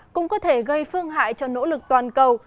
cũng có thể gây phương hại cho nỗ lực toàn cầu